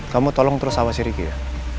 kamu tolong terus awasi riki ya